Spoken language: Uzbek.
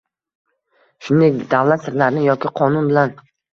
shuningdek davlat sirlarini yoki qonun bilan